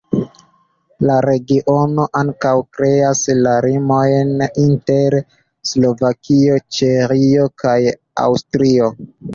La regiono ankaŭ kreas la limojn inter Slovakio, Ĉeĥio kaj Aŭstrio.